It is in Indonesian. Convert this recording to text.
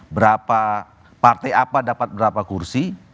berapa partai apa dapat berapa kursi